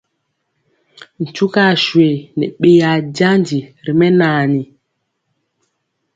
Ntugaswe nɛ ɓeyaa janji ri mɛnaani.